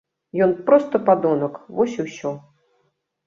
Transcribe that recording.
Ён проста падонак, вось і ўсё.